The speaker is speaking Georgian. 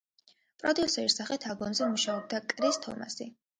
პროდიუსერის სახით ალბომზე მუშაობდა კრის თომასი.